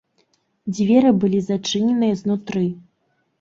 Дзверы былі зачыненыя знутры.